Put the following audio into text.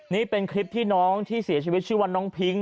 นี่เป็นคลิปที่น้องที่เสียชีวิตชื่อว่าน้องพิ้ง